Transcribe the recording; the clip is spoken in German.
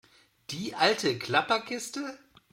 Die alte Klapperkiste?